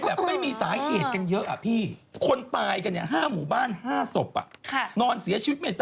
แล้วมันไม่ได้เห็นแต่ตาเปล่ามองไม่เห็น